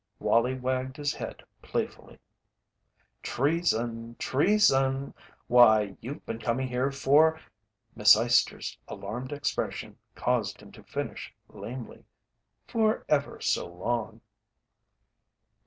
Wallie wagged his head playfully. "Treason! Treason! Why, you've been coming here for " Miss Eyester's alarmed expression caused him to finish lamely "for ever so long."